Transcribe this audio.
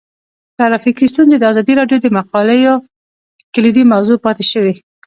ټرافیکي ستونزې د ازادي راډیو د مقالو کلیدي موضوع پاتې شوی.